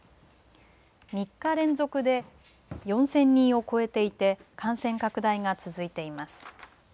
３日連続で４０００人を超えていて感染拡大が続いています。